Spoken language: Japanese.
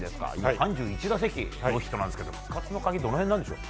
３１打席ノーヒットなんですが復活の鍵はどの辺にあるんでしょう？